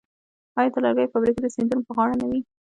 آیا د لرګیو فابریکې د سیندونو په غاړه نه وې؟